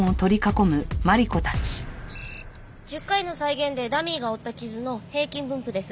１０回の再現でダミーが負った傷の平均分布です。